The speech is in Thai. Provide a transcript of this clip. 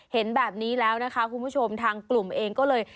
เห็นแบบนี้แล้วนะคะคุณผู้ชมทางกลุ่มเองก็เลย